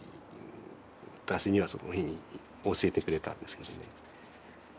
私にはそういうふうに教えてくれたんですけどね。